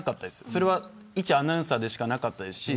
それはいちアナウンサーでしかなかったですし。